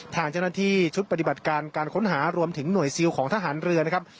ทางเจ้าหน้าที่ชุดปฏิบัติการการค้นหารวมถึงหน่วยซิลของทหารเรือนะครับ